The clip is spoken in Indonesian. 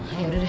ya udah deh